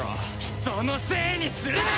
人のせいにするな！